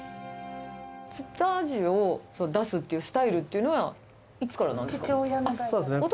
釣ったアジを出すっていうスタイルっていうのは、いつからなんで父親の代から。